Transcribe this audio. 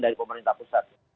dari pemerintah pusat